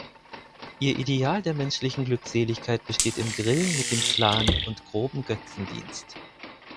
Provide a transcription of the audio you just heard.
Ihr Ideal der menschlichen Glückseligkeit besteht im Grillen mit dem Clan und groben Götzendienst.